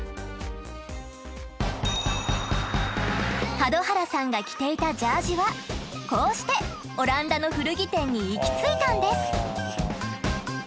門原さんが着ていたジャージはこうしてオランダの古着店に行き着いたんです。